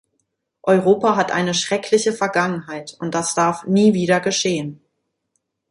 Europa hat eine schreckliche Vergangenheit und das darf nie wieder geschehen.